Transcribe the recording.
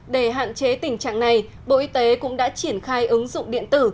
để hạn chế tình trạng này bộ y tế cũng đã triển khai ứng dụng điện tử